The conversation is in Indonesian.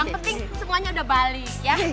yang penting semuanya udah balik